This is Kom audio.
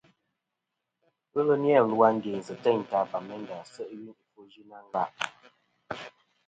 Ghelɨ ni-a lu a ndiynsɨ̀ teyn ta Bamenda se' i yuyn i ɨfwo yɨnɨ a ngva.